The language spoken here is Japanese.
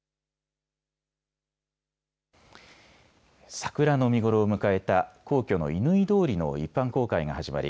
桜の見頃を迎えた皇居の乾通りの一般公開が始まり